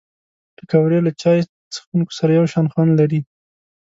پکورې له چای څښونکو سره یو شان خوند لري